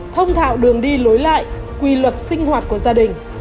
thông thạo đường đi lối lại quy luật sinh hoạt của gia đình